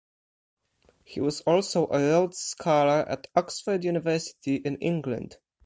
He was also a Rhodes Scholar at Oxford University in England.